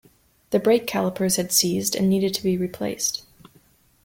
The brake callipers had seized and needed to be replaced.